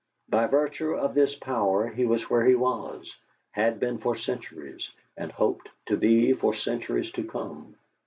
By virtue of this power he was where he was, had been for centuries, and hoped to be for centuries to come.